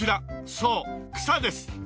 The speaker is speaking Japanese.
そう草です！